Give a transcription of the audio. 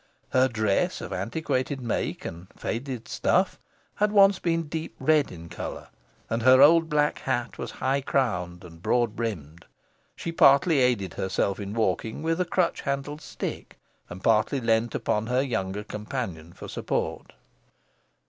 Her dress, of antiquated make and faded stuff, had been once deep red in colour, and her old black hat was high crowned and broad brimmed. She partly aided herself in walking with a crutch handled stick, and partly leaned upon her younger companion for support.